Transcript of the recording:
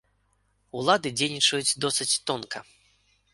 Улады дзейнічаюць досыць тонка.